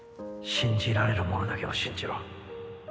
信じられる者だけを信じろ。